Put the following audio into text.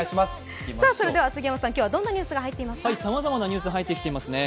それでは杉山さん、今日はどんなニュースが入ってきていますか？